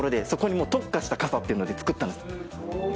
そこに特化した傘っていうので作ったんです。